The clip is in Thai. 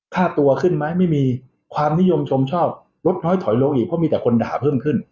ค่าตัวขึ้นไหมไม่มีความนิยมชมชอบลดน้อยถอยลงอีกเพราะมีแต่คนด่าเพิ่มขึ้น